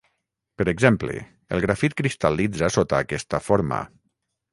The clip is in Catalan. Per exemple, el grafit cristal·litza sota aquesta forma.